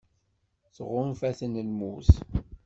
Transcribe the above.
Tɣunfa-ten lmut.